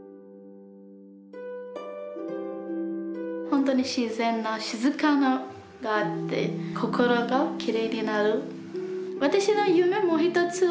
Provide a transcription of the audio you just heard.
ほんとに自然な静かがあって心がきれいになる。